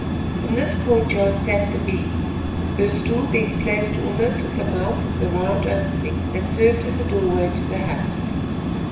In this court yard sat the Bee, her stool being placed almost at the mouth of the round opening that served as a doorway to the hut.